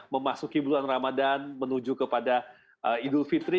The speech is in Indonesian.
memasuki bulan ramadan menuju kepada idul fitri